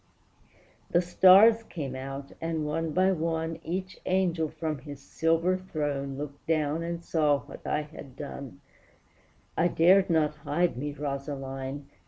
The stars came out; and, one by one, Each angel from his silver throne Looked down and saw what I had done; I dared not hide me, Rosaline!